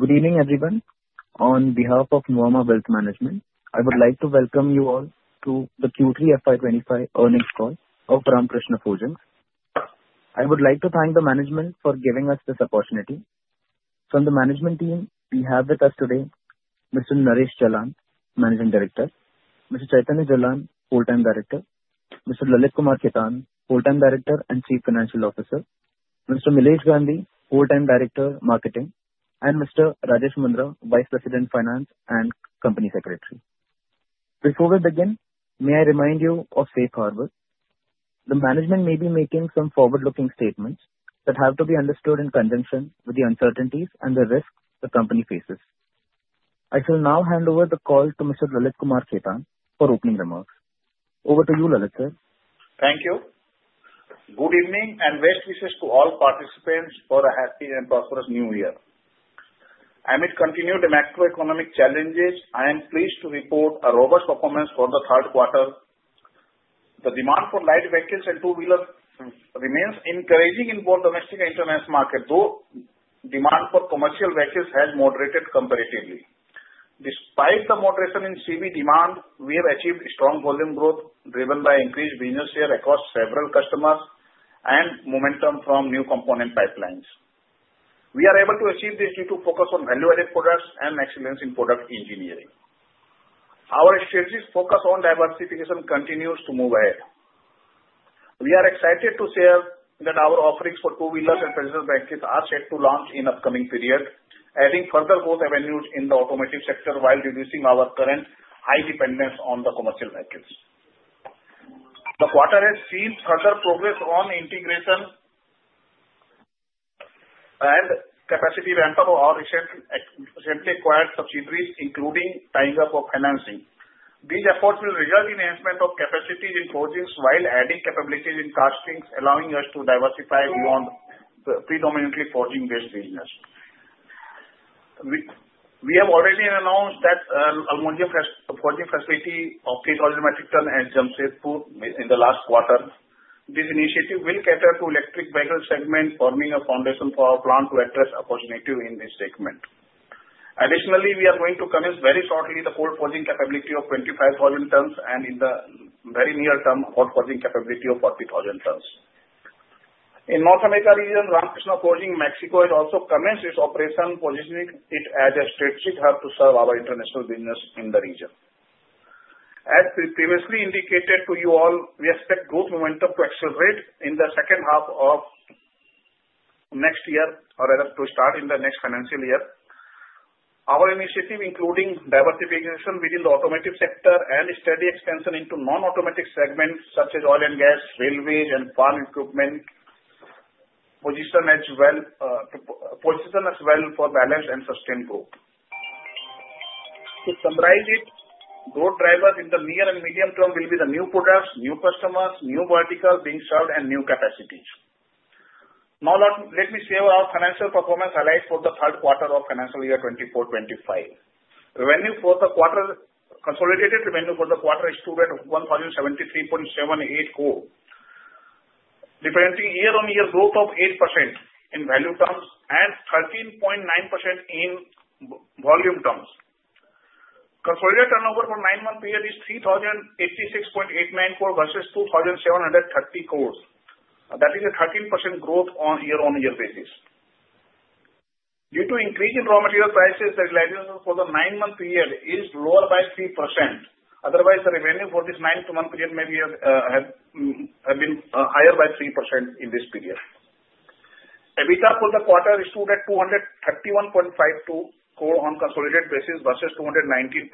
Good evening, everyone. On behalf of Nuvama Wealth Management, I would like to welcome you all to the Q3 FY 2025 Earnings Call of Ramkrishna Forgings. I would like to thank the management for giving us this opportunity. From the management team, we have with us today Mr. Naresh Jalan, Managing Director. Mr. Chaitanya Jalan, Full-Time Director. Mr. Lalit Kumar Khetan, Full-Time Director and Chief Financial Officer. Mr. Milesh Gandhi, Full-Time Director, Marketing. And Mr. Rajesh Mundhra, Vice President, Finance and Company Secretary. Before we begin, may I remind you of Safe Harbor? The management may be making some forward-looking statements that have to be understood in conjunction with the uncertainties and the risks the company faces. I shall now hand over the call to Mr. Lalit Kumar Khetan for opening remarks. Over to you, Lalit, sir. Thank you. Good evening and best wishes to all participants for a happy and prosperous New Year. Amid continued macroeconomic challenges, I am pleased to report a robust performance for the third quarter. The demand for light vehicles and two-wheelers remains encouraging in both domestic and international markets, though demand for commercial vehicles has moderated comparatively. Despite the moderation in CV demand, we have achieved strong volume growth driven by increased business share across several customers and momentum from new component pipelines. We are able to achieve this due to focus on value-added products and excellence in product engineering. Our strategies focus on diversification and continue to move ahead. We are excited to share that our offerings for two-wheelers and passenger vehicles are set to launch in the upcoming period, adding further growth avenues in the automotive sector while reducing our current high dependence on the commercial vehicles. The quarter has seen further progress on integration and capacity ramp-up of our recently acquired subsidiaries, including tying up of financing. These efforts will result in enhancement of capacity in Forgings while adding capabilities in Castings, allowing us to diversify beyond predominantly Forging-based business. We have already announced that Aluminum Forging Facility of JMT Auto Limited at Jamshedpur in the last quarter. This initiative will cater to the electric vehicle segment, forming a foundation for our plant to address opportunity in this segment. Additionally, we are going to commence very shortly the cold forging capability of 25,000 tons, and in the very near term, cold forging capability of 40,000 tons. In the North America region, Ramkrishna Forgings Mexico has also commenced its operation, positioning it as a strategic hub to serve our international business in the region. As previously indicated to you all, we expect growth momentum to accelerate in the second half of next year or to start in the next financial year. Our initiative, including diversification within the automotive sector and steady expansion into non-automotive segments such as oil and gas, railways, and farm equipment, positions us well for balanced and sustained growth. To summarize it, growth drivers in the near and medium term will be the new products, new customers, new verticals being served, and new capacities. Now, let me share our financial performance highlighted for the third quarter of financial year 2024-2025. Revenue for the quarter, consolidated revenue for the quarter, is INR 1,073.78 crore, representing year-on-year growth of 8% in value terms and 13.9% in volume terms. Consolidated turnover for the nine-month period is 3,086.89 crore versus 2,730 crores. That is a 13% growth on a year-on-year basis. Due to increase in raw material prices, the realization for the nine-month period is lower by 3%. Otherwise, the revenue for this nine-month period may have been higher by 3% in this period. EBITDA for the quarter stood at 231.52 crore on a consolidated basis versus 219.72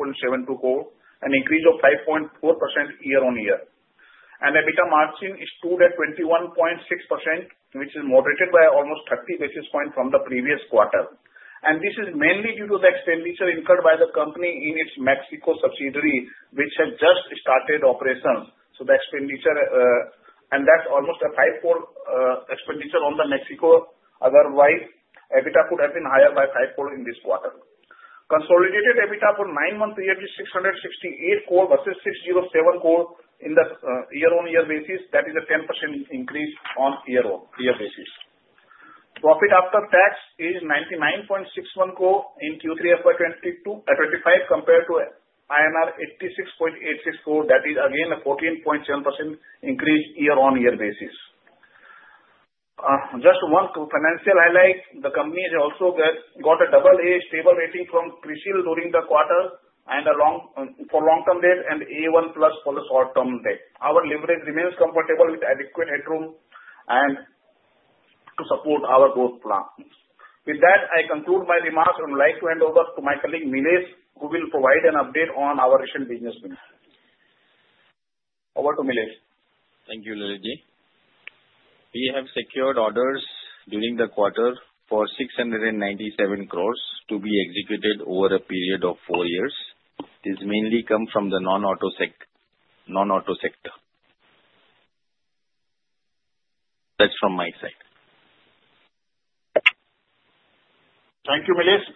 crore, an increase of 5.4% year-on-year. EBITDA margin stood at 21.6%, which is moderated by almost 30 basis points from the previous quarter. This is mainly due to the expenditure incurred by the company in its Mexico subsidiary, which has just started operations. The expenditure, and that's almost a five-fold expenditure on the Mexico. Otherwise, EBITDA could have been higher by five-fold in this quarter. Consolidated EBITDA for the nine-month period is 668 crore versus 607 crore on a year-on-year basis. That is a 10% increase on a year-on-year basis. Profit after tax is 99.61 crore in Q3 FY 2025 compared to 86.86 crore. That is again a 14.7% increase year-on-year basis. Just one financial highlight, the company has also got a AA stable rating from CRISIL during the quarter and for long-term debt and A1+ for the short-term debt. Our leverage remains comfortable with adequate headroom to support our growth plan. With that, I conclude my remarks and would like to hand over to my colleague Milesh, who will provide an update on our recent business. Over to Milesh. Thank you, Lalit ji. We have secured orders during the quarter for 697 crores to be executed over a period of four years. It has mainly come from the non-auto sector. That's from my side. Thank you, Milesh.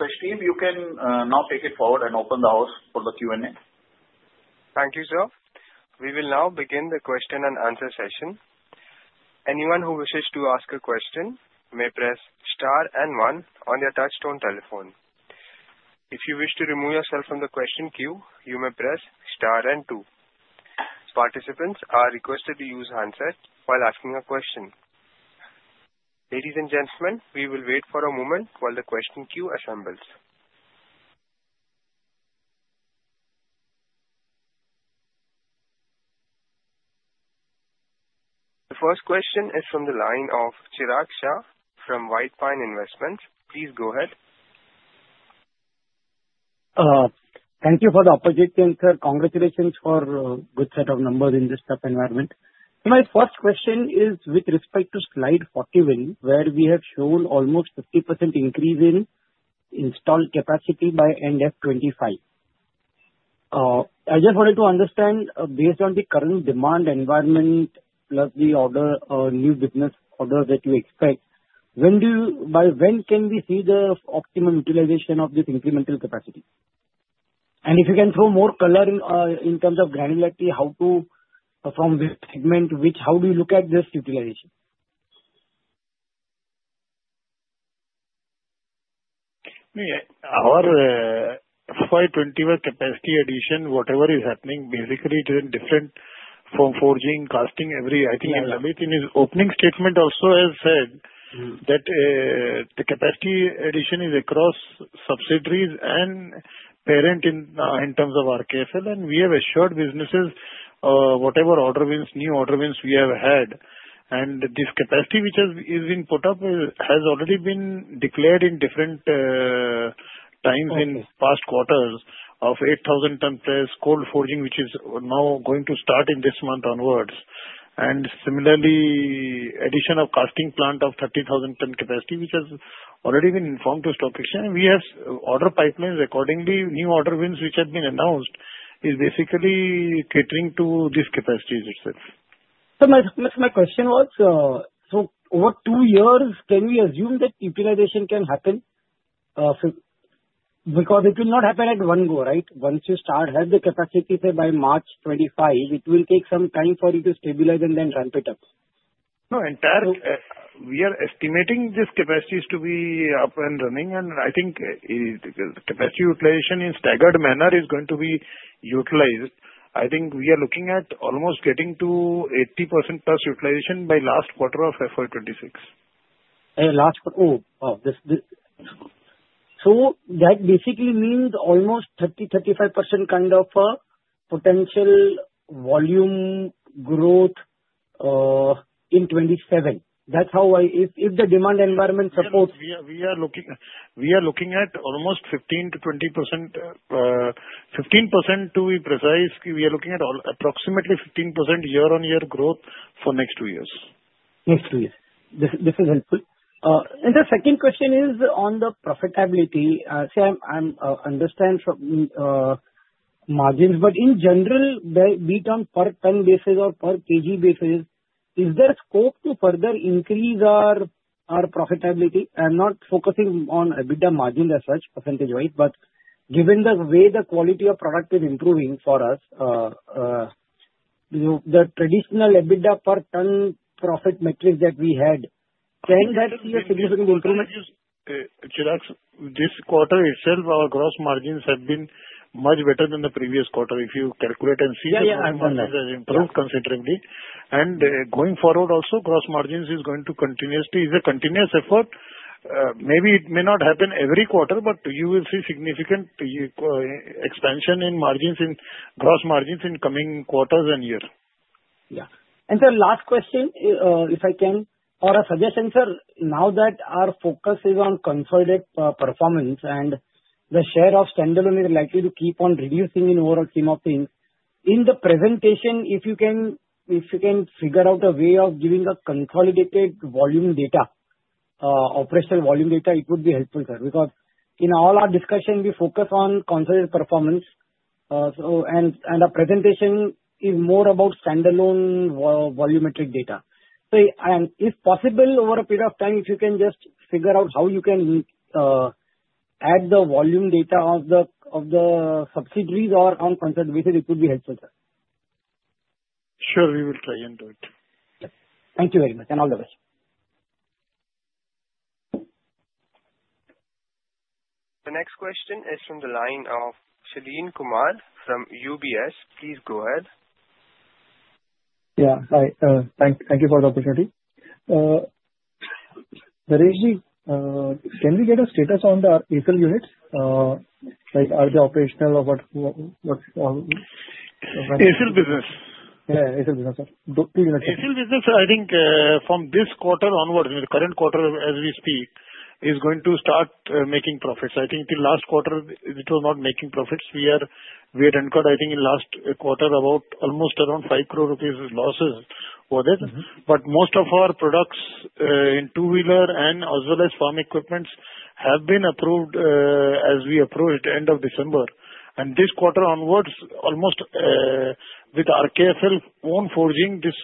Pradeep, you can now take it forward and open the house for the Q&A. Thank you, sir. We will now begin the question and answer session. Anyone who wishes to ask a question may press star and one on your touch-tone telephone. If you wish to remove yourself from the question queue, you may press star and two. Participants are requested to use handset while asking a question. Ladies and gentlemen, we will wait for a moment while the question queue assembles. The first question is from the line of Chirag Shah from White Pine Investments. Please go ahead. Thank you for the opportunity, sir. Congratulations for a good set of numbers in this tough environment. My first question is with respect to slide 41, where we have shown almost 50% increase in installed capacity by end of 2025. I just wanted to understand, based on the current demand environment, plus the new business orders that you expect, by when can we see the optimum utilization of this incremental capacity? And if you can throw more color in terms of granularity, how do you look at this utilization? Our FY 2021 capacity addition, whatever is happening, basically it is in different forms: forging, casting, every. I think Lalit in his opening statement also has said that the capacity addition is across subsidiaries and parent in terms of RKFL, and we have assured businesses whatever new order wins we have had. And this capacity which has been put up has already been declared in different times in past quarters of 8,000-ton press, cold forging, which is now going to start in this month onwards. And similarly, addition of casting plant of 30,000-ton capacity, which has already been informed to Stock Exchange. We have order pipelines accordingly. New order wins which have been announced is basically catering to this capacity itself. My question was, so over two years, can we assume that utilization can happen? Because it will not happen at one go, right? Once you start, have the capacity by March 2025, it will take some time for you to stabilize and then ramp it up. No, in fact, we are estimating this capacity is to be up and running, and I think capacity utilization in a staggered manner is going to be utilized. I think we are looking at almost getting to 80% plus utilization by last quarter of FY 2026. Last quarter, so that basically means almost 30%-35% kind of potential volume growth in 2027. That's how, if the demand environment supports. We are looking at almost 15%-20%, 15% to be precise. We are looking at approximately 15% year-on-year growth for next two years. Next two years. This is helpful. And the second question is on the profitability. See, I understand margins, but in general, we turn per ton basis or per kg basis. Is there scope to further increase our profitability? I'm not focusing on EBITDA margin as such, percentage-wise, but given the way the quality of product is improving for us, the traditional EBITDA per ton profit metric that we had, can that be a significant improvement? Chirag, this quarter itself, our gross margins have been much better than the previous quarter. If you calculate and see the margins, they have improved considerably. And going forward also, gross margins is going to continuously. It's a continuous effort. Maybe it may not happen every quarter, but you will see significant expansion in margins, in gross margins in coming quarters and years. Yeah. And sir, last question, if I can, or a suggestion, sir. Now that our focus is on consolidated performance and the share of standalone is likely to keep on reducing in overall scheme of things, in the presentation, if you can figure out a way of giving a consolidated volume data, operational volume data, it would be helpful, sir. Because in all our discussion, we focus on consolidated performance, and our presentation is more about standalone volumetric data. So if possible, over a period of time, if you can just figure out how you can add the volume data of the subsidiaries or on consolidated basis, it would be helpful, sir. Sure, we will try and do it. Thank you very much. And all the best. The next question is from the line of Shaleen Kumar from UBS. Please go ahead. Yeah, hi. Thank you for the opportunity. Naresh ji, can we get a status on the ACIL units? Are they operational or what? ACIL business. Yeah, ACIL business, sir. Two units. ACIL business, I think from this quarter onwards, the current quarter as we speak, is going to start making profits. I think till last quarter, it was not making profits. We had incurred, I think, in last quarter about almost around 5 crore rupees losses for that. But most of our products in two-wheeler and as well as farm equipment have been approved as we approached the end of December. This quarter onwards, almost with RKFL own forging, this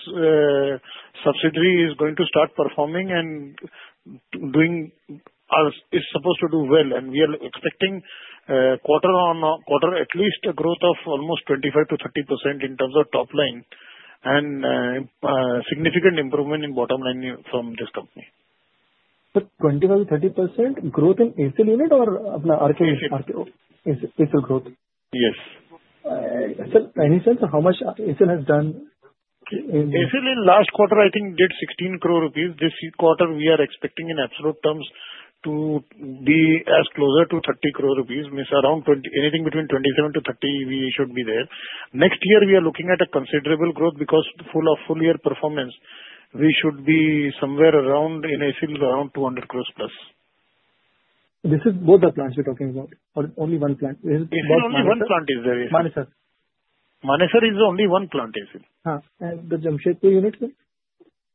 subsidiary is going to start performing and is supposed to do well. We are expecting quarter on quarter at least a growth of almost 25%-30% in terms of top line and significant improvement in bottom line from this company. 25%-30% growth in ACIL unit or RKFL growth? Yes. Sir, any sense of how much ACIL has done? ACIL in last quarter, I think, did INR 16 crore. This quarter, we are expecting in absolute terms to be as closer to INR 30 crore, around anything between 27-30, we should be there. Next year, we are looking at a considerable growth because of full year performance. We should be somewhere around in ACIL, around 200 crore plus. This is both the plants you're talking about or only one plant? Only one plant is there, yes. Manesar? Manesar is the only one plant ACIL. The Jamshedpur unit, sir?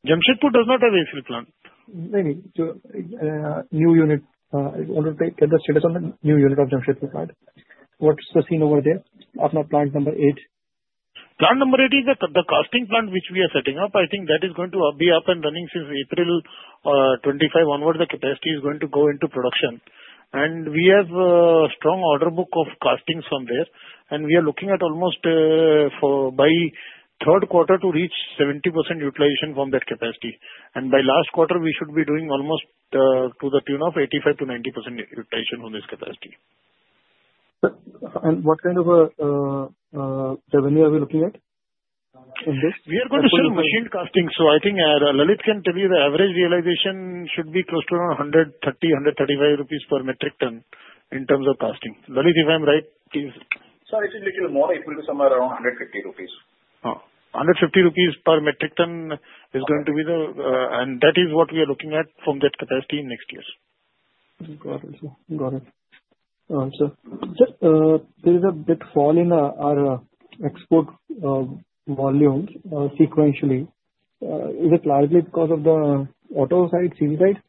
Jamshedpur does not have ACIL plant. Maybe new unit. I want to get the status on the new unit of Jamshedpur plant. What's the scene over there on plant number eight? Plant number eight is the casting plant which we are setting up. I think that is going to be up and running since April 2025 onwards. The capacity is going to go into production. And we have a strong order book of castings from there. And we are looking at almost by third quarter to reach 70% utilization from that capacity. And by last quarter, we should be doing almost to the tune of 85%-90% utilization from this capacity. What kind of revenue are we looking at in this? We are going to show machined casting. So I think Lalit can tell you the average realization should be close to around 130-135 rupees per metric ton in terms of casting. Lalit, if I'm right, please. Sorry, it's a little more equal to somewhere around 150 rupees. 150 rupees per metric ton is going to be the, and that is what we are looking at from that capacity next year. Got it. Got it. Sir, there is a big fall in our export volume sequentially. Is it largely because of the auto side, CV side?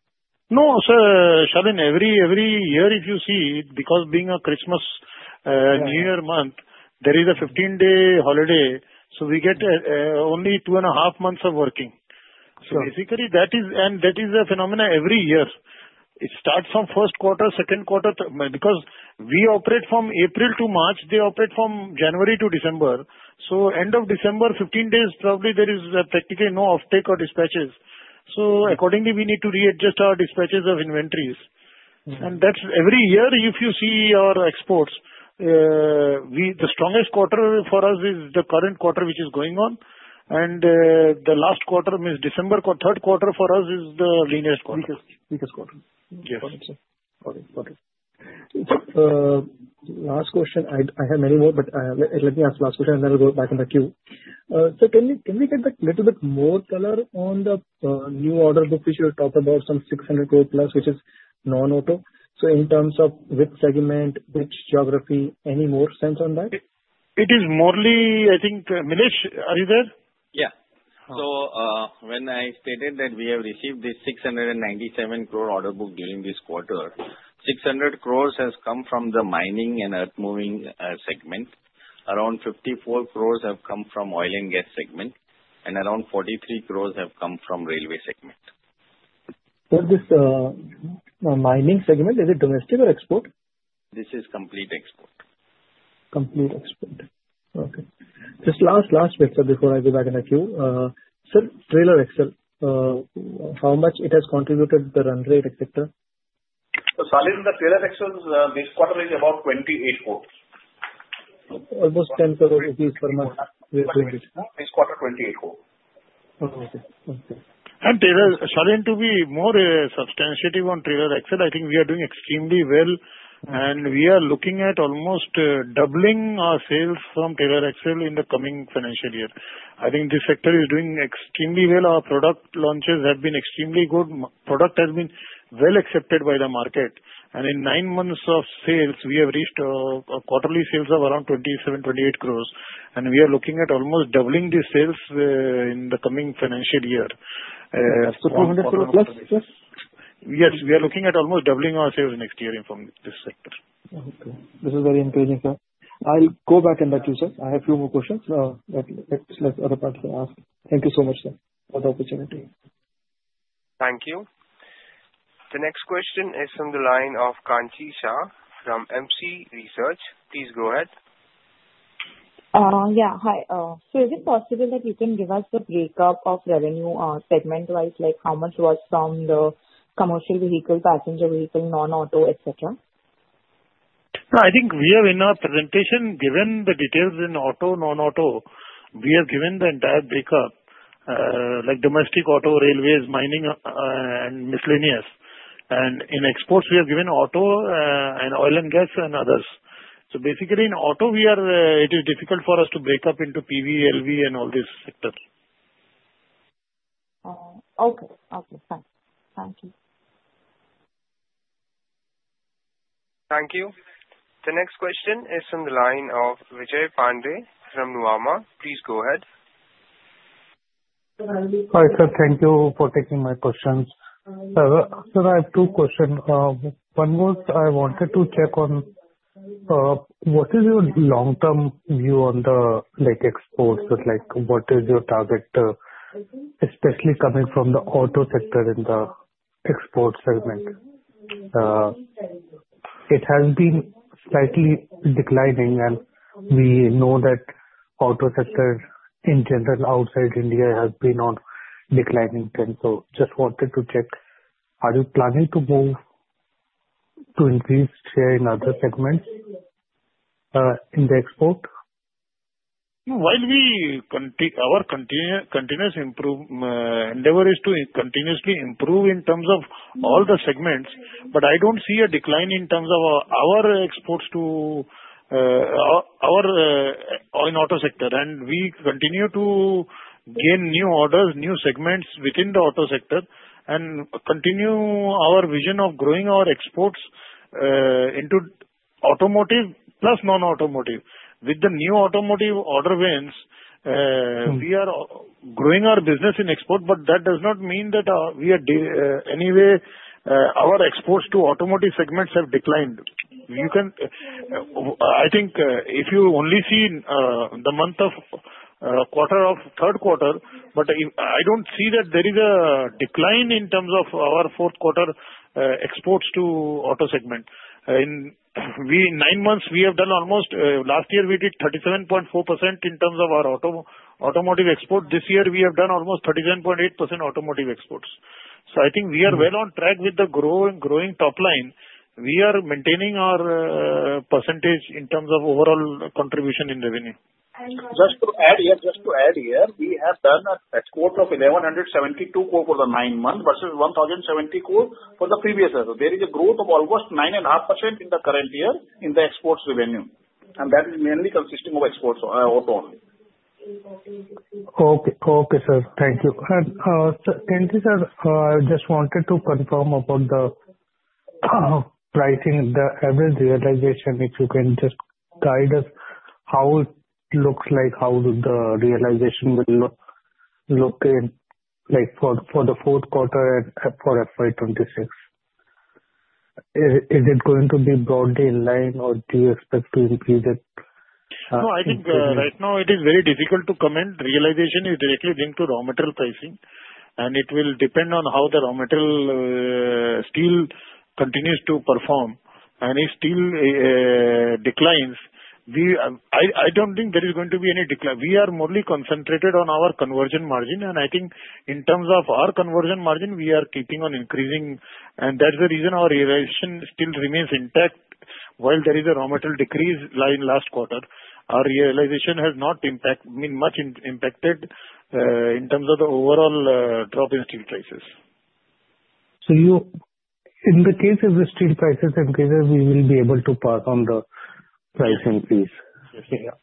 No, sir. Shaleen, every year, if you see, because being a Christmas New Year month, there is a 15-day holiday. So we get only two and a half months of working. So basically, that is, and that is a phenomenon every year. It starts from first quarter, second quarter, because we operate from April to March. They operate from January to December. So end of December, 15 days, probably there is practically no offtake or dispatches. So accordingly, we need to readjust our dispatches of inventories. And that's every year, if you see our exports. The strongest quarter for us is the current quarter which is going on. And the last quarter, means December, third quarter for us is the leanest quarter. Leanest quarter. Yes. Got it. Last question. I have many more, but let me ask the last question, and then I'll go back in the queue. So can we get a little bit more color on the new order book which you talked about, some 600 crore plus, which is non-auto? So in terms of which segment, which geography, any more sense on that? It is mostly, I think, Milesh, are you there? When I stated that we have received this 697 crore order book during this quarter, 600 crores has come from the mining and earth-moving segment. Around 54 crores have come from oil and gas segment, and around 43 crores have come from railway segment. So this mining segment, is it domestic or export? This is complete export. Complete export. Okay. Just last, last question before I go back in the queue. Sir, trailer axle, how much it has contributed to the run rate, etc.? Shaleen, the trailer axle this quarter is about 28 crores. Almost 10 crore rupees per month. This quarter, 28 crores. Oh, okay. Okay. Shaleen, to be more substantive on trailer axle, I think we are doing extremely well. We are looking at almost doubling our sales from trailer axle in the coming financial year. I think this sector is doing extremely well. Our product launches have been extremely good. Product has been well accepted by the market. In nine months of sales, we have reached quarterly sales of around 27-28 crores. We are looking at almost doubling the sales in the coming financial year. 200 crore plus, yes? Yes. We are looking at almost doubling our sales next year from this sector. Okay. This is very encouraging, sir. I'll go back in the queue, sir. I have a few more questions that other parts to ask. Thank you so much, sir, for the opportunity. Thank you. The next question is from the line of Kanchi Shah from MC Research. Please go ahead. Yeah. Hi. So is it possible that you can give us the breakup of revenue segment-wise, like how much was from the commercial vehicle, passenger vehicle, non-auto, etc.? No, I think we have in our presentation, given the details in auto, non-auto, we have given the entire breakup, like domestic auto, railways, mining, and miscellaneous. And in exports, we have given auto and oil and gas and others. So basically, in auto, it is difficult for us to break up into PV, LV, and all these sectors. Okay. Thanks. Thank you. Thank you. The next question is from the line of Vijay Pandey from Nuvama. Please go ahead. Hi, sir. Thank you for taking my questions. Sir, I have two questions. One was I wanted to check on what is your long-term view on the exports? What is your target, especially coming from the auto sector in the export segment? It has been slightly declining, and we know that auto sector in general outside India has been on declining trend. So just wanted to check, are you planning to move to increase share in other segments in the export? Our continuous endeavor is to continuously improve in terms of all the segments, but I don't see a decline in terms of our exports to our auto sector. We continue to gain new orders, new segments within the auto sector, and continue our vision of growing our exports into automotive plus non-automotive. With the new automotive order wins, we are growing our business in export, but that does not mean that in any way our exports to automotive segments have declined. I think if you only see the month-on-month of the third quarter, but I don't see that there is a decline in terms of our fourth quarter exports to auto segment. In nine months, we have done almost last year we did 37.4% in terms of our automotive export. This year, we have done almost 37.8% automotive exports. So I think we are well on track with the growing top line. We are maintaining our percentage in terms of overall contribution in revenue. Just to add here, we have done an export of 1,172 crore for the nine months versus 1,070 crore for the previous year. So there is a growth of almost 9.5% in the current year in the exports revenue. And that is mainly consisting of exports, auto only. Okay. Okay, sir. Thank you. And sir, can you just – I just wanted to confirm about the pricing, the average realization, if you can just guide us how it looks like, how the realization will look for the fourth quarter and for FY 2026. Is it going to be broadly in line, or do you expect to increase it? No, I think right now, it is very difficult to comment. Realization is directly linked to raw material pricing, and it will depend on how the raw material steel continues to perform, and if steel declines, I don't think there is going to be any decline. We are mainly concentrated on our conversion margin, and I think in terms of our conversion margin, we are keeping on increasing, and that's the reason our realization still remains intact. While there is a raw material decrease last quarter, our realization has not much impacted in terms of the overall drop in steel prices. In the case of the steel prices, we will be able to pass on the price increase. Yes, sir.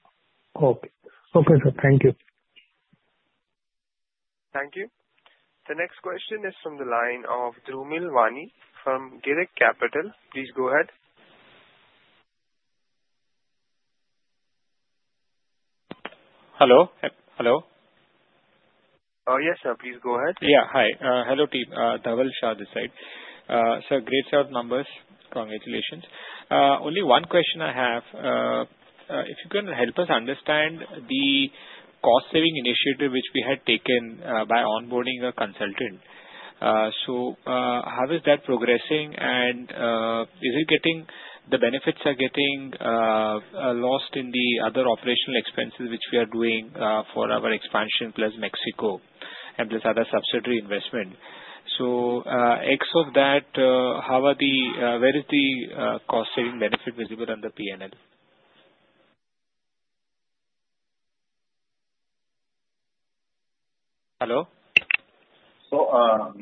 Okay. Okay, sir. Thank you. Thank you. The next question is from the line of Dhrumil Wani from Girik Capital. Please go ahead. Hello? Hello? Yes, sir. Please go ahead. Yeah. Hi. Hello, team. Dhaval Shah this side. Sir, great strong numbers. Congratulations. Only one question I have. If you can help us understand the cost-saving initiative which we had taken by onboarding a consultant. So how is that progressing? And are the benefits getting lost in the other operational expenses which we are doing for our expansion plus Mexico and plus other subsidiary investment? So net of that, where is the cost-saving benefit visible on the P&L? Hello? So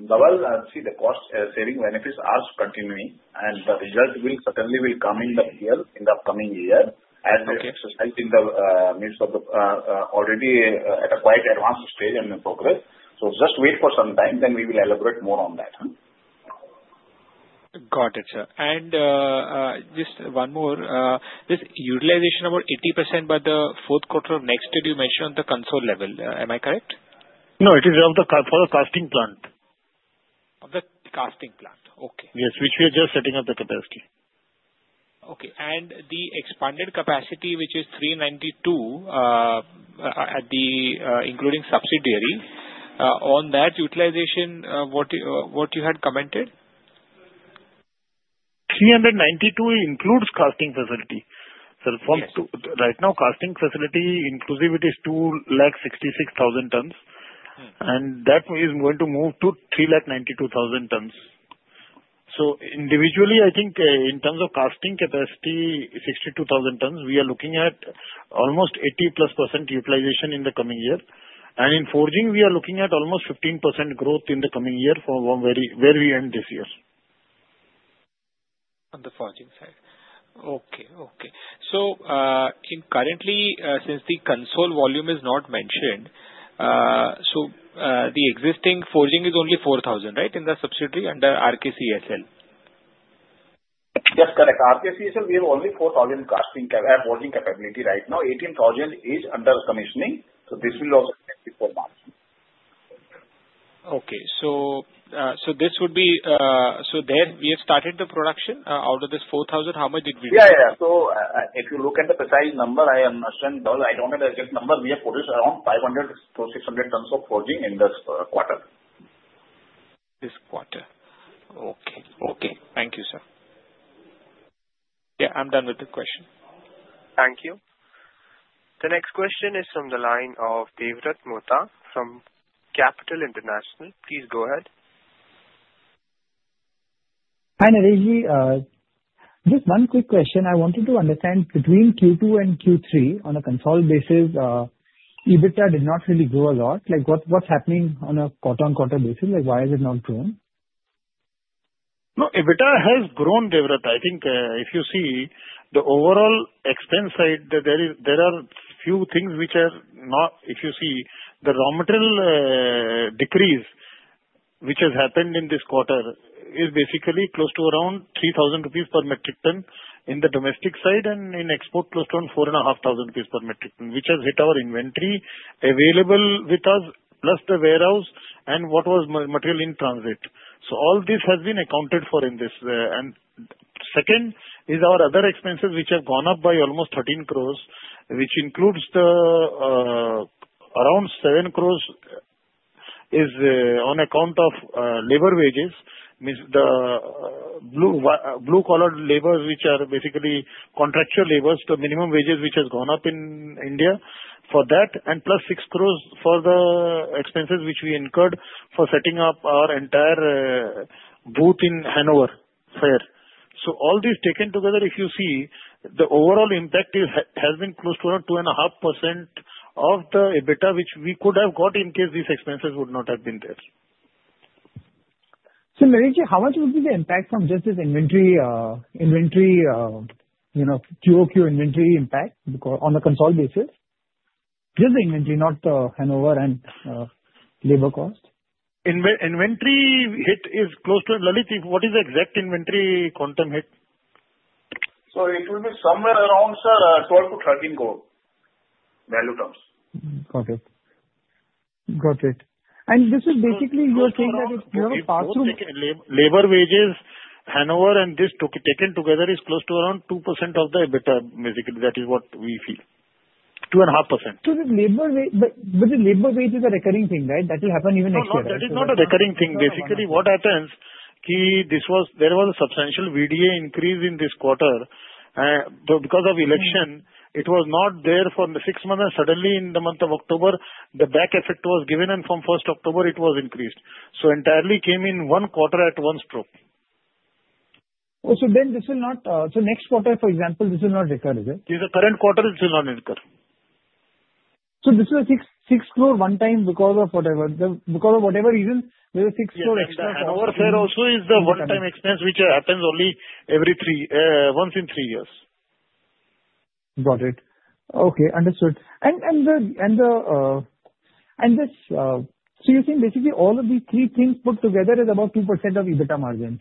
Dhaval, I see the cost-saving benefits are continuing. And the result will certainly come in the P&L in the upcoming year as they are exercised in the means of already at a quite advanced stage and progress. So just wait for some time, then we will elaborate more on that. Got it, sir. And just one more. This utilization about 80% by the fourth quarter of next year, you mentioned the console level. Am I correct? No, it is for the casting plant. Of the casting plant. Okay. Yes, which we are just setting up the capacity. Okay, and the expanded capacity, which is 392 including subsidiary, on that utilization, what you had commented? 392 includes casting facility. So right now, casting facility capacity is 266,000 tons. And that is going to move to 392,000 tons. So individually, I think in terms of casting capacity, 62,000 tons, we are looking at almost 80 plus percent utilization in the coming year. And in forging, we are looking at almost 15% growth in the coming year from where we end this year. On the forging side. So currently, since the consolidated volume is not mentioned, so the existing forging is only 4,000, right, in the subsidiary under RKCSL? Yes, correct. RKCSL, we have only 4,000 forging capability right now. 18,000 is under commissioning. So this will also be forging. Okay. So, there we have started the production. Out of this 4,000, how much did we lose? Yeah, yeah. So if you look at the precise number, I understand, Dhaval. I don't have the exact number. We have produced around 500-600 tons of forging in this quarter. This quarter. Okay. Okay. Thank you, sir. Yeah, I'm done with the question. Thank you. The next question is from the line of Devvrat Mohta from Capital International. Please go ahead. Hi Naresh. Just one quick question. I wanted to understand between Q2 and Q3, on a consolidated basis, EBITDA did not really grow a lot. What's happening on a quarter-on-quarter basis? Why has it not grown? No, EBITDA has grown, Devrat. I think if you see the overall expense side, there are few things which are not if you see the raw material decrease, which has happened in this quarter, is basically close to around 3,000 rupees per metric ton in the domestic side and in export close to around 4,500 rupees per metric ton, which has hit our inventory available with us, plus the warehouse and what was material in transit. So all this has been accounted for in this. And second is our other expenses, which have gone up by almost 13 crores, which includes around 7 crores is on account of labor wages, means the blue-collar laborers, which are basically contractual laborers, the minimum wages which has gone up in India for that, and plus 6 crores for the expenses which we incurred for setting up our entire booth in Hannover Messe. So all these taken together, if you see, the overall impact has been close to around 2.5% of the EBITDA which we could have got in case these expenses would not have been there. Mileshji, how much would be the impact from just this inventory QOQ inventory impact on the consolidated basis? Just the inventory, not the Hannover and labor cost? Inventory hit is close to what is the exact inventory quantum hit? So it will be somewhere around, sir, 12-13 crores value terms. Got it. Got it. And this is basically you are saying that it's your pass-through? Labor wages, Hannover, and this taken together is close to around 2% of the EBITDA, basically. That is what we feel. 2.5%. So the labor wages are a recurring thing, right? That will happen even next year. No, no, that is not a recurring thing. Basically, what happens is there was a substantial VDA increase in this quarter. Because of election, it was not there for six months, and suddenly, in the month of October, the back effect was given, and from first October, it was increased, so entirely came in one quarter at one stroke. So, then this will not recur next quarter, for example, is it? In the current quarter, it will not recur. So this was 6 crores one time because of whatever reason, there was 6 crores extra cost. Yeah. And our fair also is the one-time expense which happens only once in three years. Got it. Okay. Understood. And so you're saying basically all of these three things put together is about 2% of EBITDA margin?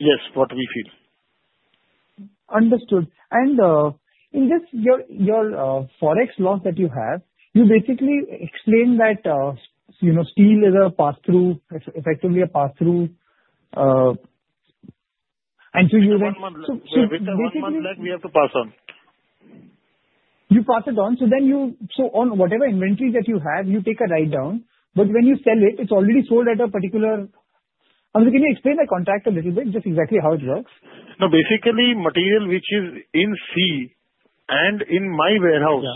Yes, what we feel. Understood. And in this your forex loss that you have, you basically explain that steel is a pass-through, effectively a pass-through. And so you then. So, one month we have to pass on. You pass it on, so then you so on whatever inventory that you have, you take a write-down. But when you sell it, it's already sold at a particular. I mean, can you explain the contract a little bit, just exactly how it works? No, basically, material which is in sea and in my warehouse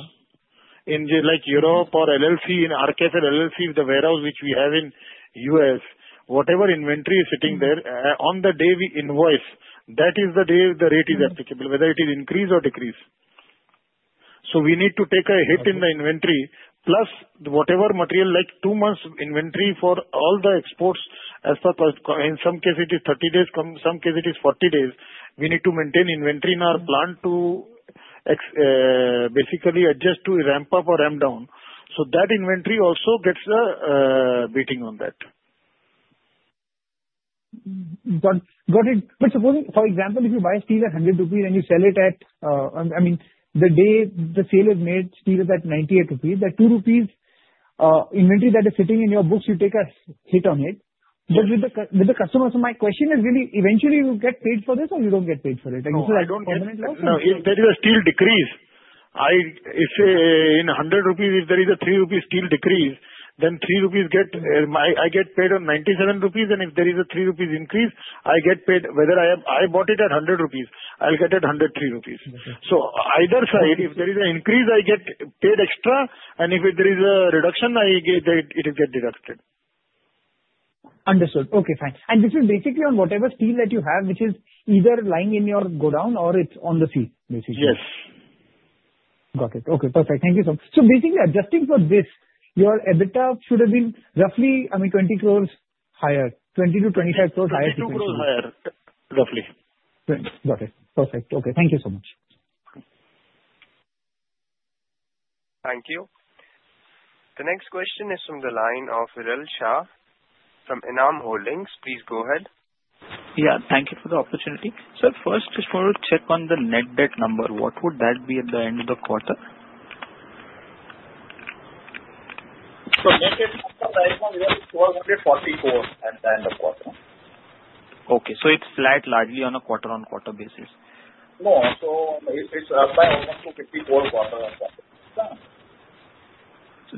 in Europe or LLC in RKFL. LLC is the warehouse which we have in U.S. Whatever inventory is sitting there, on the day we invoice, that is the day the rate is applicable, whether it is increase or decrease. So we need to take a hit in the inventory, plus whatever material, like two months inventory for all the exports. In some cases, it is 30 days. Some cases, it is 40 days. We need to maintain inventory in our plant to basically adjust to ramp up or ramp down. So that inventory also gets a beating on that. But supposing, for example, if you buy steel at ₹100 and you sell it at I mean, the day the sale is made, steel is at ₹98, that ₹2 inventory that is sitting in your books, you take a hit on it. But with the customers, my question is really, eventually, you get paid for this or you don't get paid for it? No, if there is a steel decrease, if in 100 rupees, if there is a 3 rupees steel decrease, then 3 rupees I get paid on 97 rupees. And if there is a 3 rupees increase, I get paid whether I bought it at 100 rupees, I'll get it 103 rupees. So either side, if there is an increase, I get paid extra. And if there is a reduction, it will get deducted. Understood. Okay. Fine. And this is basically on whatever steel that you have, which is either lying in your godown or it's on the sea, basically. Yes. Got it. Okay. Perfect. Thank you, sir. So basically, adjusting for this, your EBITDA should have been roughly, I mean, 20 crores higher, 20 to 25 crores higher, if you can say. 22 crores higher, roughly. Got it. Perfect. Okay. Thank you so much. Thank you. The next question is from the line of Viral Shah from ENAM Holdings. Please go ahead. Yeah. Thank you for the opportunity. Sir, first, just want to check on the net debt number. What would that be at the end of the quarter? Net debt number is 1,244 at the end of quarter. Okay, so it's flat, largely on a quarter-on-quarter basis? No, so it's up by almost to 54 quarter-on-quarter.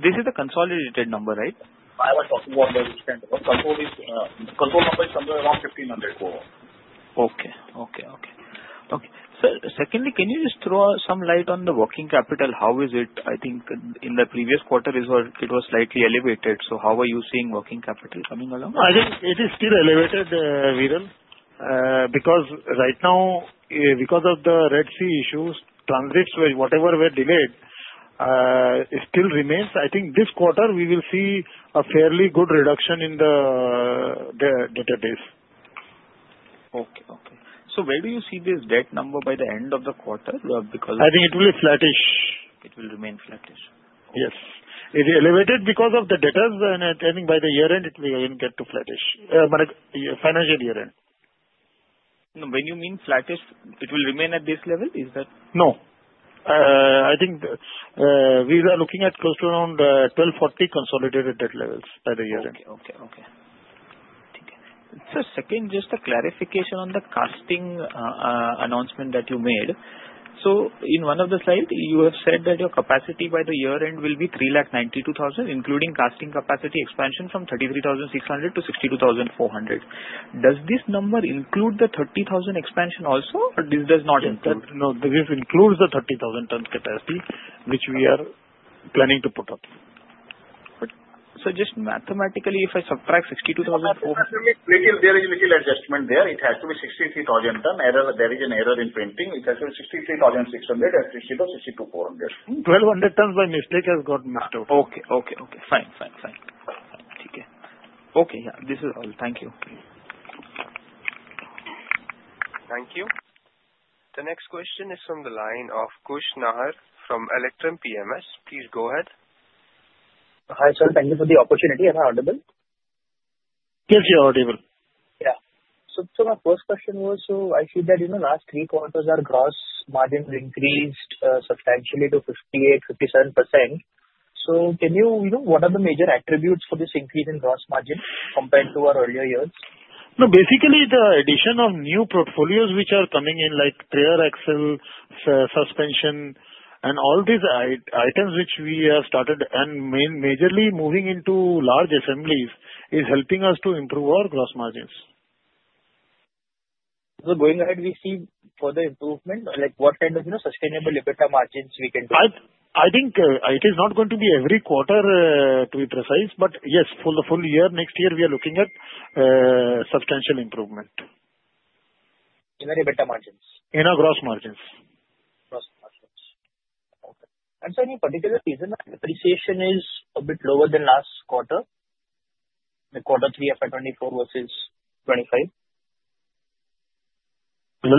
This is the consolidated number, right? I was talking about the console number is somewhere around 1,504. Okay. Sir, secondly, can you just throw some light on the working capital? How is it? I think in the previous quarter, it was slightly elevated. So how are you seeing working capital coming along? No, I think it is still elevated, Viral, because right now, because of the Red Sea issues, transits, whatever were delayed, it still remains. I think this quarter, we will see a fairly good reduction in the lead times. Okay. So where do you see this debt number by the end of the quarter? Because. I think it will be flattish. It will remain flattish. Yes. It is elevated because of the data. I think by the year-end, it will get to flattish, financial year-end. When you mean flattish, it will remain at this level? Is that? No. I think we are looking at close to around 1,240 consolidated debt levels by the year-end. Okay. Sir, second, just a clarification on the casting announcement that you made. So in one of the slides, you have said that your capacity by the year-end will be 392,000, including casting capacity expansion from 33,600 to 62,400. Does this number include the 30,000 expansion also, or this does not include? No, this includes the 30,000 tons capacity, which we are planning to put up. But so just mathematically, if I subtract 62,000 over. There is a little adjustment there. It has to be 63,000 tons. There is an error in printing. It has to be 63,600 at the rate of 62,400. 1,200 tons by mistake has got missed out. Okay. Okay. Okay. Fine. Fine. Fine. Okay. Okay. Yeah. This is all. Thank you. Thank you. The next question is from the line of Khush Nahar from Electrum PMS. Please go ahead. Hi sir. Thank you for the opportunity. Am I audible? Yes, you're audible. Yeah. So my first question was, so I see that in the last three quarters, our gross margin increased substantially to 58%-57%. So can you what are the major attributes for this increase in gross margin compared to our earlier years? No, basically, the addition of new portfolios which are coming in, like trailer axle, suspension, and all these items which we have started and majorly moving into large assemblies is helping us to improve our gross margins. So going ahead, we see further improvement? What kind of sustainable EBITDA margins we can do? I think it is not going to be every quarter, to be precise. But yes, for the full year, next year, we are looking at substantial improvement. In our EBITDA margins? In our gross margins. Gross margins. Okay. And so any particular reason that appreciation is a bit lower than last quarter, quarter 3 of 2024 versus 2025?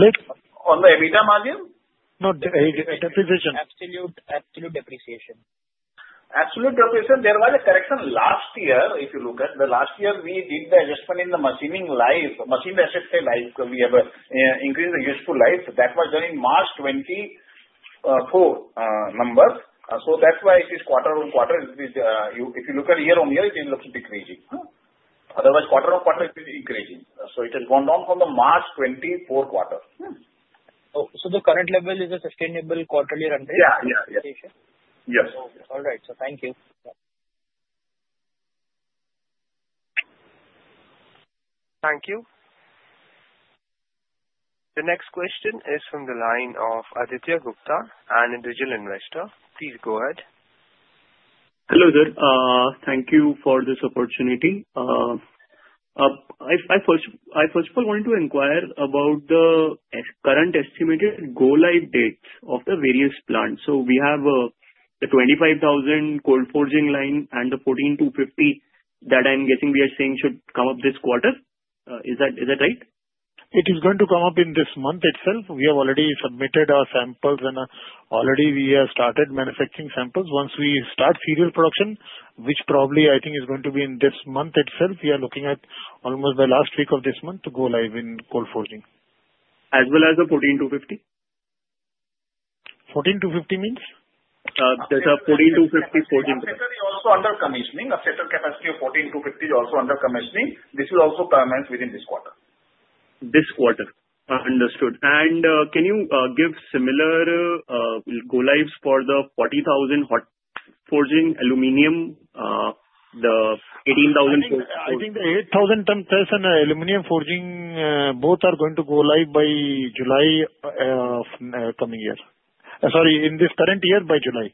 On the EBITDA margin? No, depreciation. Absolute depreciation. Absolute depreciation. There was a correction last year. If you look at the last year, we did the adjustment in the machining life. Machine asset life, we have increased the useful life. That was done in March 2024 number. So that's why it is quarter-on-quarter. If you look at year-on-year, it looks a bit crazy. Otherwise, quarter-on-quarter is increasing. So it has gone down from the March 2024 quarter. So the current level is a sustainable quarterly run rate? Yeah. Yeah. Yeah. Appreciation. Yes. All right, so thank you. Thank you. The next question is from the line of Aditya Gupta and individual investor. Please go ahead. Hello there. Thank you for this opportunity. I first of all wanted to inquire about the current estimated go-live dates of the various plants. So we have the 25,000 cold forging line and the 1,450 that I'm guessing we are saying should come up this quarter. Is that right? It is going to come up in this month itself. We have already submitted our samples, and already we have started manufacturing samples. Once we start serial production, which probably I think is going to be in this month itself, we are looking at almost by last week of this month to go live in cold forging. As well as the 1,450? 1,450 means? There's a 1,450 forging plant. It is also under commissioning. A certain capacity of 1,450 is also under commissioning. This will also commence within this quarter. This quarter. Understood. And can you give similar go-lives for the 40,000 hot forging aluminum, the 18,000? I think the 8,000 tons and aluminum forging both are going to go live by July coming year. Sorry, in this current year, by July.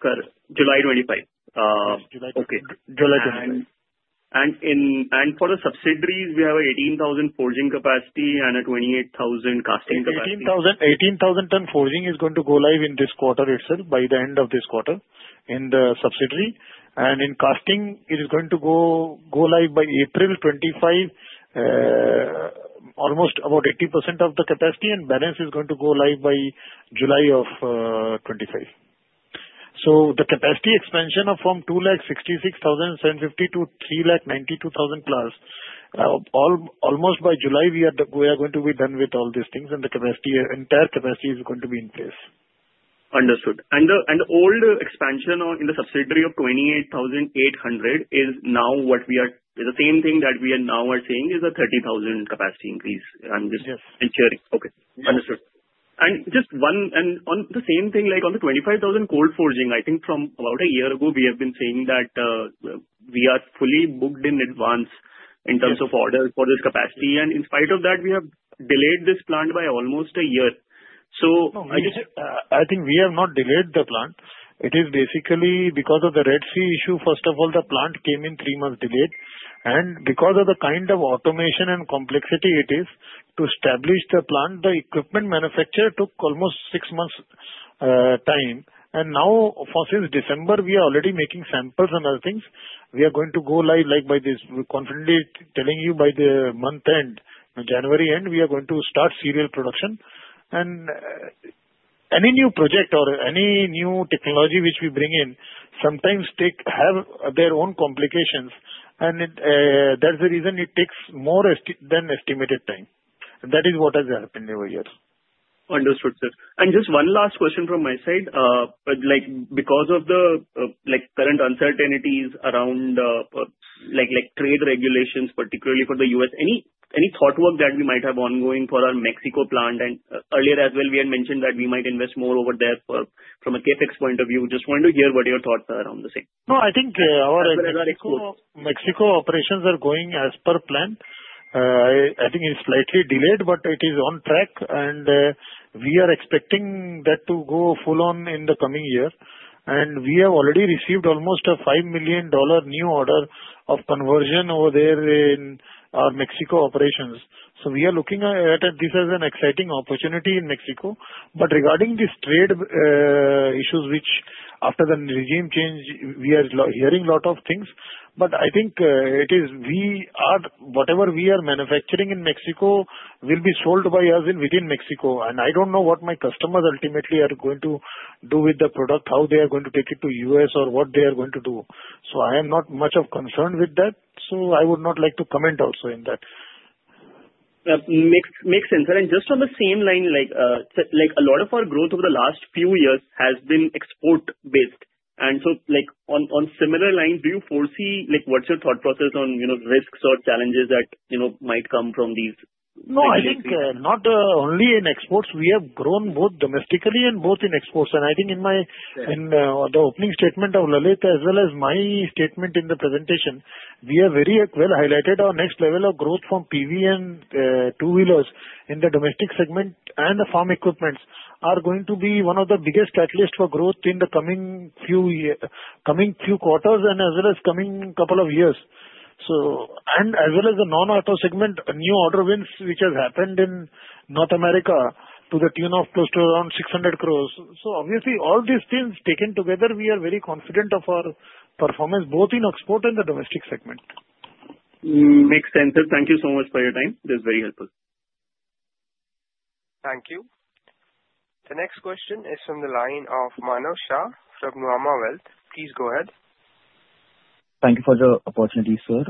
Correct. July 25. Okay. July 25. For the subsidiaries, we have an 18,000 forging capacity and a 28,000 casting capacity. 18,000 tons forging is going to go live in this quarter itself by the end of this quarter in the subsidiary. And in casting, it is going to go live by April 2025, almost about 80% of the capacity, and balance is going to go live by July 2025. So the capacity expansion from 266,750 to 392,000 plus, almost by July, we are going to be done with all these things, and the entire capacity is going to be in place. Understood. And the old expansion in the subsidiary of 28,800 is now what we are the same thing that we are now saying is a 30,000 capacity increase. I'm just ensuring. Yes. Okay. Understood. And just one, and on the same thing, like on the 25,000 cold forging, I think from about a year ago, we have been saying that we are fully booked in advance in terms of order for this capacity. And in spite of that, we have delayed this plant by almost a year. So. No, I think we have not delayed the plant. It is basically because of the Red Sea issue. First of all, the plant came in three months delayed. And because of the kind of automation and complexity it is to establish the plant, the equipment manufacturer took almost six months' time. And now, for since December, we are already making samples and other things. We are going to go live, like by this, confidently telling you, by the month end, January end, we are going to start serial production. And any new project or any new technology which we bring in sometimes have their own complications. And that's the reason it takes more than estimated time. That is what has happened over here. Understood, sir, and just one last question from my side. Because of the current uncertainties around trade regulations, particularly for the U.S., any thought work that we might have ongoing for our Mexico plant? And earlier as well, we had mentioned that we might invest more over there from a CapEx point of view. Just wanted to hear what your thoughts are on the same. No, I think our Mexico operations are going as per plan. I think it's slightly delayed, but it is on track, and we are expecting that to go full on in the coming year, and we have already received almost a $5 million new order of conversion over there in our Mexico operations, so we are looking at it. This is an exciting opportunity in Mexico, but regarding these trade issues, which after the regime change, we are hearing a lot of things, but I think it is whatever we are manufacturing in Mexico will be sold by us within Mexico, and I don't know what my customers ultimately are going to do with the product, how they are going to take it to U.S., or what they are going to do, so I am not much of concern with that. I would not like to comment also in that. Makes sense. And just on the same line, a lot of our growth over the last few years has been export-based. And so on similar lines, do you foresee what's your thought process on risks or challenges that might come from these? No, I think not only in exports. We have grown both domestically and both in exports. And I think in the opening statement of Lalit as well as my statement in the presentation, we have very well highlighted our next level of growth from PV and two-wheelers in the domestic segment and the farm equipments are going to be one of the biggest catalysts for growth in the coming few quarters and as well as coming couple of years. And as well as the non-auto segment, new order wins which have happened in North America to the tune of close to around 600 crores. So obviously, all these things taken together, we are very confident of our performance both in export and the domestic segment. Makes sense. Thank you so much for your time. This is very helpful. Thank you. The next question is from the line of Manav Shah from Nuvama Wealth. Please go ahead. Thank you for the opportunity, sir.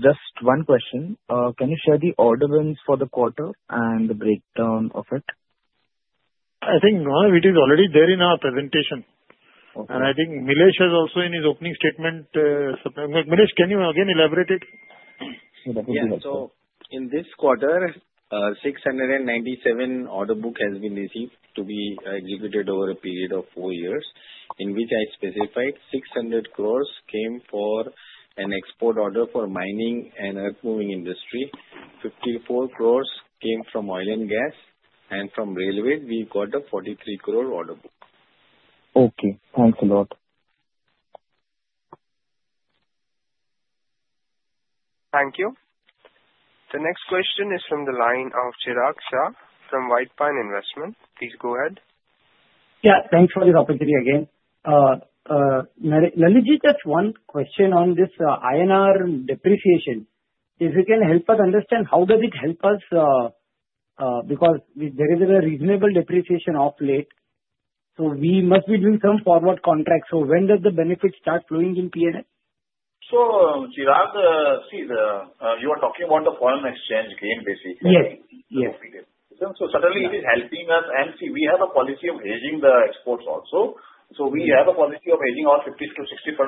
Just one question. Can you share the order wins for the quarter and the breakdown of it? I think all of it is already there in our presentation, and I think Milesh is also in his opening statement. Milesh, can you again elaborate it? Yeah. So in this quarter, a 697 crore order book has been received to be executed over a period of four years, in which I specified 600 crores came for an export order for mining and earth-moving industry. 54 crores came from oil and gas. And from railways, we got a 43 crore order book. Okay. Thanks a lot. Thank you. The next question is from the line of Chirag Shah from White Pine Investments. Please go ahead. Yeah. Thanks for this opportunity again. Lalit Ji, just one question on this INR depreciation. If you can help us understand, how does it help us? Because there is a reasonable depreciation of late. So we must be doing some forward contracts. So when does the benefit start flowing in P&L? Chirag, see, you are talking about the foreign exchange gain, basically. Yes. Yes. So suddenly, it is helping us, and see, we have a policy of hedging the exports also, so we have a policy of hedging our 50%-60%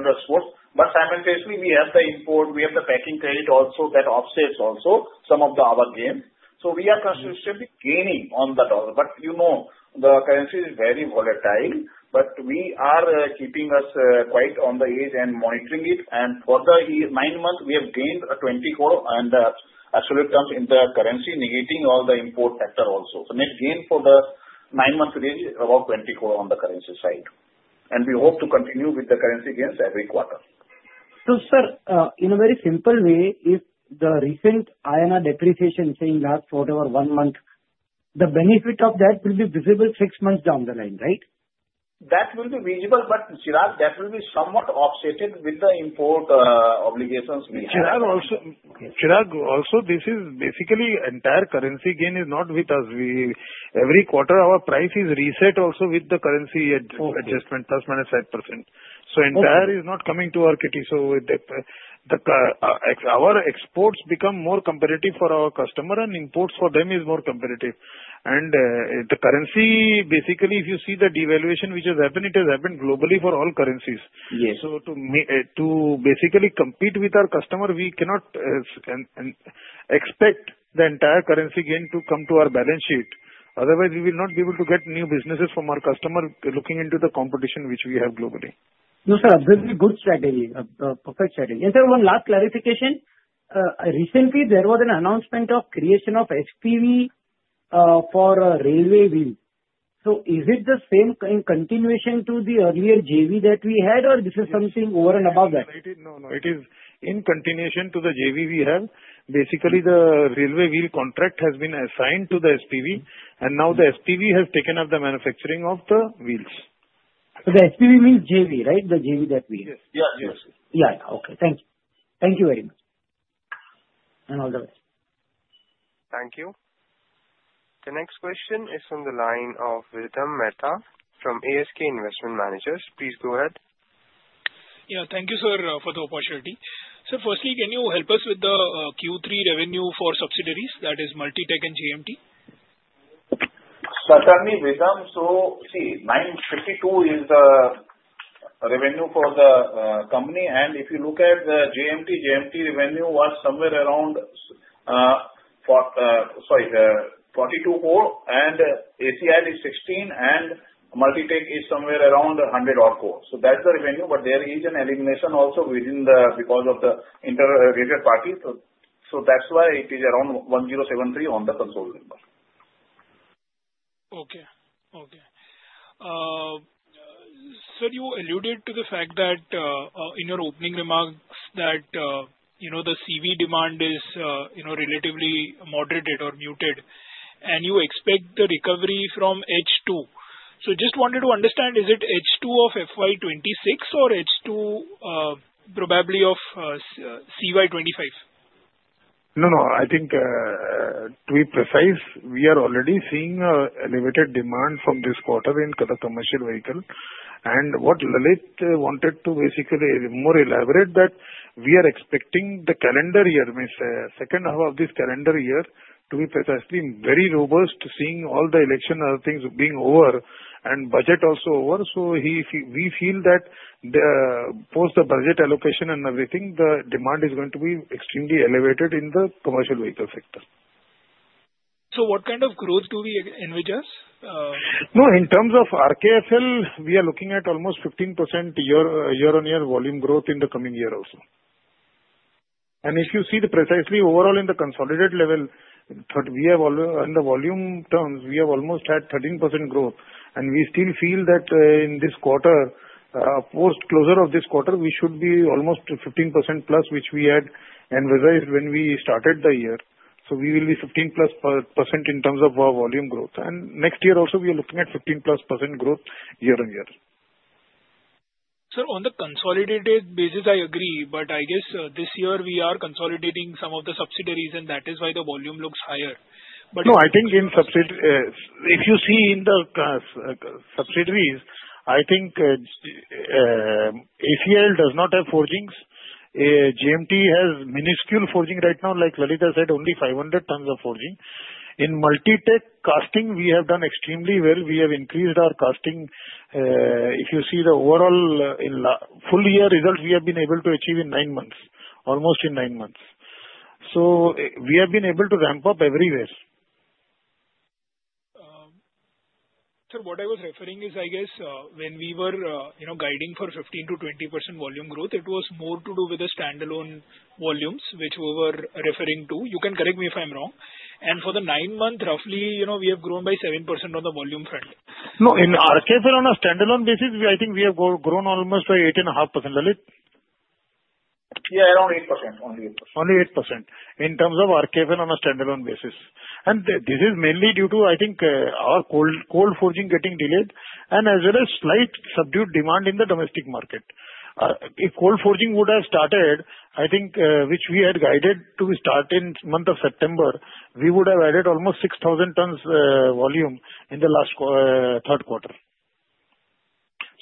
exports. But simultaneously, we have the import. We have the packing credit also that offsets also some of our gains, so we are consistently gaining on that. But the currency is very volatile, but we are keeping us quite on the edge and monitoring it, and for the nine months, we have gained 20 crore in the absolute terms in the currency, negating all the import factor also. So net gain for the nine months is about 20 crore on the currency side, and we hope to continue with the currency gains every quarter. So, sir, in a very simple way, if the recent INR depreciation stays at least for over one month, the benefit of that will be visible six months down the line, right? That will be visible. But Chirag, that will be somewhat offset with the import obligations we have. Chirag, also, this is basically entire currency gain is not with us. Every quarter, our price is reset also with the currency adjustment, plus minus 5%. So entire is not coming to our kitty. So our exports become more competitive for our customer, and imports for them is more competitive. And the currency, basically, if you see the devaluation which has happened, it has happened globally for all currencies. So to basically compete with our customer, we cannot expect the entire currency gain to come to our balance sheet. Otherwise, we will not be able to get new businesses from our customer looking into the competition which we have globally. No, sir, absolutely good strategy. Perfect strategy. And sir, one last clarification. Recently, there was an announcement of creation of SPV for railway wheel. So is it the same in continuation to the earlier JV that we had, or this is something over and above that? No, no. It is in continuation to the JV we have. Basically, the railway wheel contract has been assigned to the SPV. And now the SPV has taken up the manufacturing of the wheels. So the SPV means JV, right? The JV that wheel. Yes. Yes. Yes. Yeah. Okay. Thank you. Thank you very much. And all the best. Thank you. The next question is from the line of Vidrum Mehta from ASK Investment Managers. Please go ahead. Yeah. Thank you, sir, for the opportunity. So firstly, can you help us with the Q3 revenue for subsidiaries? That is Multitech and JMT. Certainly, Vikram. So see, 952 is the revenue for the company. And if you look at the JMT, JMT revenue was somewhere around, sorry, 42 crore. And ACIL is 16, and Multitech is somewhere around 100 crore. So that's the revenue. But there is an elimination also within the group because of the inter-related party. So that's why it is around 1073 on the consolidated number. Okay. Sir, you alluded to the fact that in your opening remarks that the CV demand is relatively moderated or muted, and you expect the recovery from H2, so just wanted to understand, is it H2 of FY 2026 or H2 probably of CY 2025? No, no. I think to be precise, we are already seeing a limited demand from this quarter in the commercial vehicle, and what Lalit wanted to basically more elaborate that we are expecting the calendar year, second half of this calendar year, to be precisely very robust, seeing all the election and other things being over and budget also over, so we feel that post the budget allocation and everything, the demand is going to be extremely elevated in the commercial vehicle sector. So what kind of growth do we envision? No, in terms of RKFL, we are looking at almost 15% year-on-year volume growth in the coming year also, and if you see precisely overall in the consolidated level, we have in the volume terms, we have almost had 13% growth, and we still feel that in this quarter, post closure of this quarter, we should be almost 15% plus, which we had envisaged when we started the year, so we will be 15% plus in terms of our volume growth, and next year also, we are looking at 15% plus growth year-on-year. Sir, on the consolidated basis, I agree. But I guess this year, we are consolidating some of the subsidiaries, and that is why the volume looks higher. But. No, I think in subsidiaries, if you see in the subsidiaries, I think ACIL does not have forgings. JMT has minuscule forging right now. Like Lalit has said, only 500 tons of forging. In Multitech, casting, we have done extremely well. We have increased our casting. If you see the overall full-year results, we have been able to achieve in nine months, almost in nine months. So we have been able to ramp up everywhere. Sir, what I was referring is, I guess, when we were guiding for 15%-20% volume growth, it was more to do with the standalone volumes, which we were referring to. You can correct me if I'm wrong. And for the nine months, roughly, we have grown by 7% on the volume front. No, in RKFL on a standalone basis, I think we have grown almost by 8.5%, Lalit. Yeah, around 8%. Only 8%. Only 8% in terms of RKFL on a standalone basis, and this is mainly due to, I think, our cold forging getting delayed and as well as slight subdued demand in the domestic market. If cold forging would have started, I think, which we had guided to start in month of September, we would have added almost 6,000 tons volume in the last third quarter,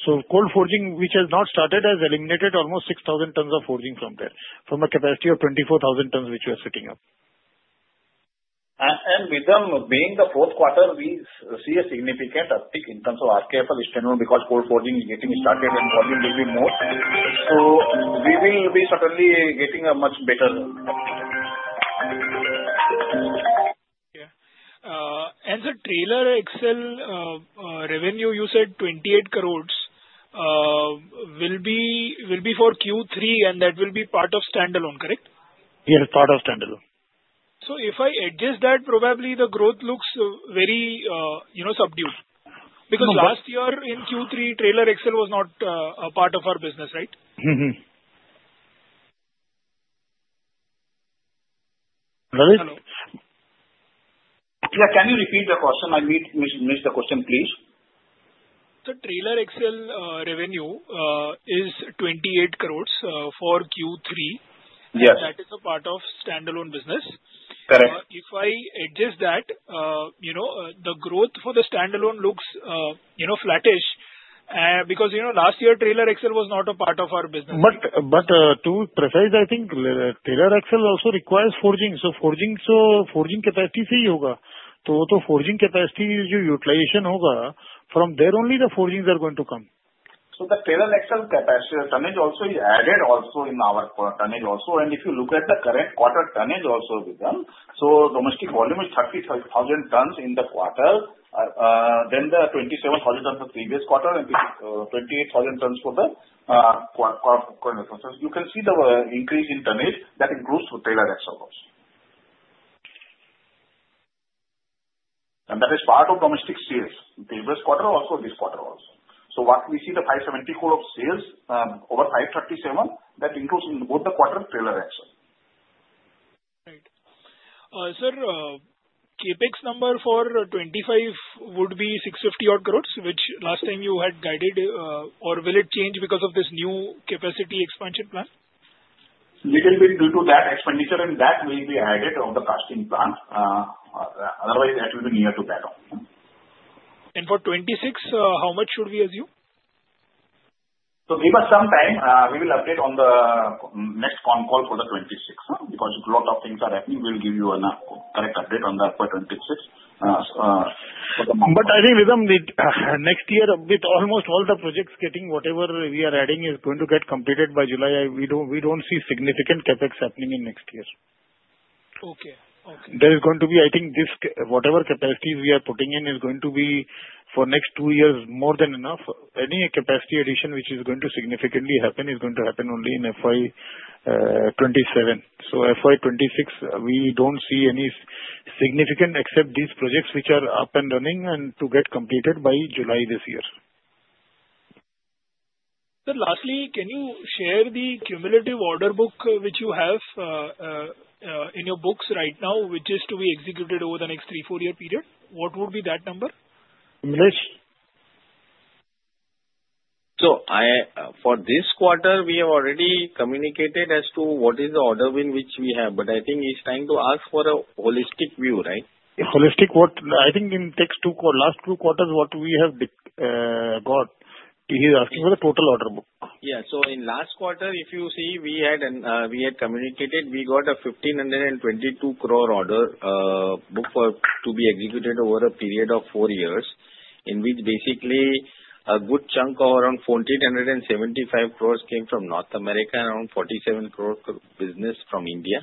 so cold forging, which has not started, has eliminated almost 6,000 tons of forging from there, from a capacity of 24,000 tons, which we are setting up. Vikram, being the fourth quarter, we see a significant uptick in terms of RKFL standalone because cold forging is getting started and volume will be more. So we will be suddenly getting a much better uptick. Yeah. And the trailer axle revenue, you said 28 crores, will be for Q3, and that will be part of standalone, correct? Yes, part of standalone. So if I adjust that, probably the growth looks very subdued. Because last year in Q3, trailer axle was not a part of our business, right? Lalit? Yeah. Can you repeat the question? I missed the question, please. Trailer axle revenue is 28 crores for Q3. That is a part of standalone business. If I adjust that, the growth for the standalone looks flattish because last year, trailer axle was not a part of our business. To be precise, I think trailer axle also requires forging. So forging capacity is the key. So forging capacity is your utilization over. From there, only the forgings are going to come. The trailer axle tonnage also is added in our tonnage. If you look at the current quarter tonnage, Vikram, domestic volume is 30,000 tons in the quarter, then 27,000 tons for the previous quarter, and 28,000 tons for the current quarter. You can see the increase in tonnage that includes trailer axle. That is part of domestic sales, previous quarter also, this quarter also. What we see, the 570 crore of sales over 537, that includes both the quarter trailer axle. Right. Sir, CapEx number for 25 would be 650 odd crores, which last time you had guided, or will it change because of this new capacity expansion plan? Little bit due to that expenditure, and that will be added on the casting plant. Otherwise, that will be near to that. For 26, how much should we assume? So give us some time. We will update on the next phone call for the FY 2026 because a lot of things are happening. We'll give you a correct update on that for FY 2026. But I think, Vidrum, next year, with almost all the projects getting whatever we are adding, is going to get completed by July. We don't see significant CapEx happening in next year. Okay. Okay. There is going to be, I think, this whatever capacity we are putting in is going to be for next two years more than enough. Any capacity addition which is going to significantly happen is going to happen only in FY 2027. So FY 2026, we don't see any significant except these projects which are up and running and to get completed by July this year. Sir, lastly, can you share the cumulative order book which you have in your books right now, which is to be executed over the next three, four-year period? What would be that number? So for this quarter, we have already communicated as to what is the order in which we have. But I think it's time to ask for a holistic view, right? Holistic? I think in last two quarters, what we have got, he's asking for the total order book. Yeah. So in last quarter, if you see, we had communicated we got a 1,522 crore order book to be executed over a period of four years, in which basically a good chunk of around 1,475 crores came from North America, around 47 crore business from India.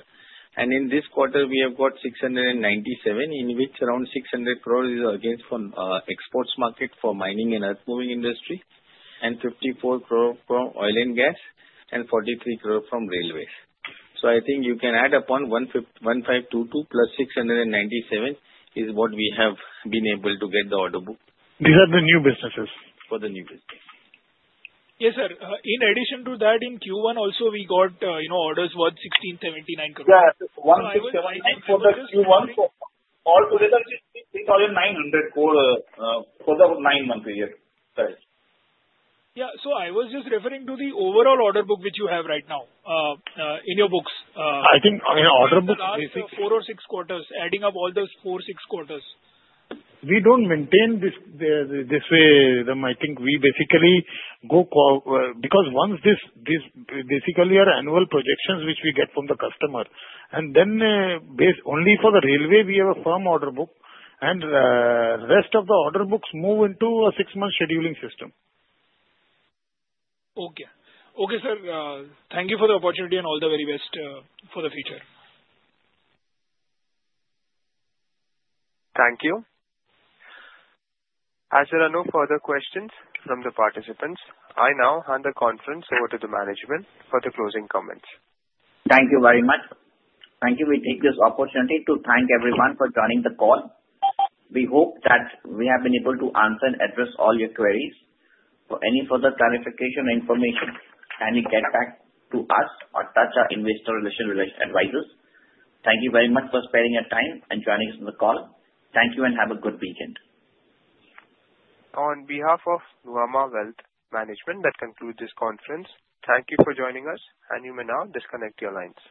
And in this quarter, we have got 697, in which around 600 crores is against for exports market for mining and earth-moving industry, and 54 crore from oil and gas, and 43 crore from railways. So I think you can add upon 1,522 plus 697 is what we have been able to get the order book. These are the new businesses. For the new business. Yes, sir. In addition to that, in Q1 also, we got orders worth 1,679 crores. Yeah. 179 crores for the Q1. Altogether, it is 3,900 crores for the nine-month period. Yeah, so I was just referring to the overall order book which you have right now in your books. I think in order books. Last four or six quarters, adding up all those four, six quarters. We don't maintain this way, Vidrum. I think we basically go because once this basically are annual projections which we get from the customer, and then only for the Railways, we have a firm order book, and the rest of the order books move into a six-month scheduling system. Okay. Okay, sir. Thank you for the opportunity and all the very best for the future. Thank you. As there are no further questions from the participants, I now hand the conference over to the management for the closing comments. Thank you very much. Thank you. We take this opportunity to thank everyone for joining the call. We hope that we have been able to answer and address all your queries. For any further clarification or information, kindly get back to us or touch our investor relations advisors. Thank you very much for sparing your time and joining us on the call. Thank you and have a good weekend. On behalf of Nuvama Wealth Management, that concludes this conference. Thank you for joining us, and you may now disconnect your lines.